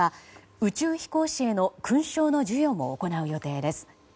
宇宙飛行士への勲章の授与も行う予定です。